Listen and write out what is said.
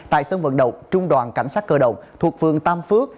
tại sân vận động trung đoàn cảnh sát cơ động thuộc phương tam phước